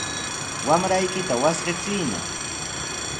Wamraykita wasqichiyna.